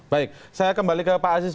baik saya kembali ke pak aziz